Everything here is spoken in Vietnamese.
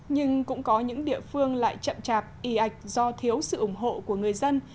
nhưng cũng có những địa phương lại chậm chạp y ạch do thiếu sự ủng hộ của người dân